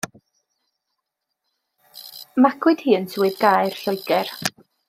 Magwyd hi yn Swydd Gaer, Lloegr.